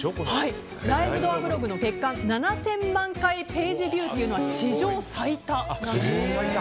ライブドアブログの月間７０００万回ページビューというのは史上最多なんです。